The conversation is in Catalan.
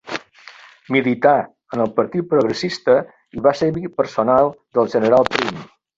Milità en el Partit Progressista i va ser amic personal del general Prim.